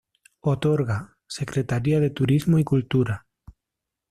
Otorga: Secretaría de Turismo y Cultura.